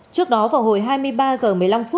trước đó vào hồi hai mươi ba h một mươi năm